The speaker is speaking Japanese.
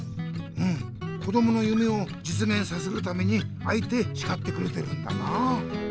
うんこどものゆめをじつげんさせるためにあえてしかってくれてるんだな！